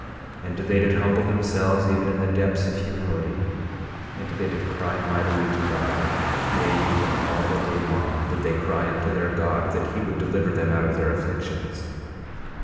21:14 And they did humble themselves even in the depths of humility; and they did cry mightily to God; yea, even all the day long did they cry unto their God that he would deliver them out of their afflictions.